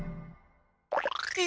え？